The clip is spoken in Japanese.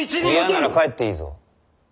嫌なら帰っていいぞ。